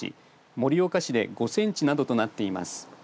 盛岡市で５センチなどとなっています。